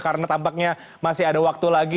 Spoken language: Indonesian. karena tampaknya masih ada waktu lagi